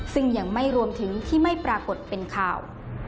ซึ่งยังไม่รวมถึงที่ไม่ปรากฏเป็นข่าว